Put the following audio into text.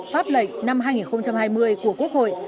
pháp lệnh năm hai nghìn hai mươi của quốc hội